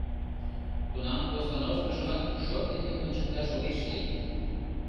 Тунам постановкыжымат шот дене ончыкташ огеш лий.